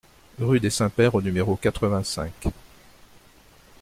Rue des Saints-Pères au numéro quatre-vingt-cinq